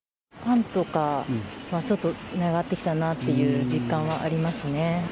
パンとかはちょっと値上がってきたなっていう実感はありますね。